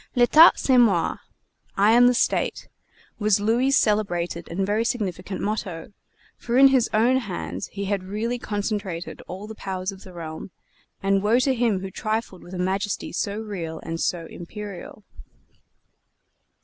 "L'Etat c'est moi" "I am the State," was Louis' celebrated and very significant motto; for in his own hands he had really concentrated all the powers of the realm, and woe to him who trifled with a majesty so real and so imperial!